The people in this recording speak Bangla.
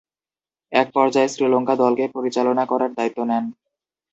এক পর্যায়ে শ্রীলঙ্কা দলকে পরিচালনা করার দায়িত্ব নেন।